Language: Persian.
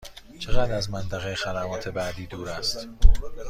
چقدر از منطقه خدمات بعدی دور است؟